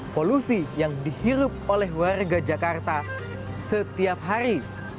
polusi yang dihirup oleh warga jakarta setiap hari